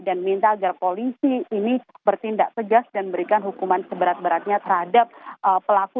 dan minta agar polisi ini bertindak segas dan berikan hukuman seberat beratnya terhadap pelaku